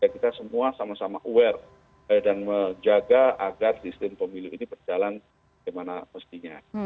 kita semua sama sama aware dan menjaga agar sistem pemilu ini berjalan bagaimana mestinya